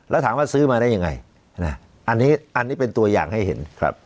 แล้วถามว่าซื้อมาได้ยังไงอันนี้อันนี้เป็นตัวอย่างให้เห็นครับ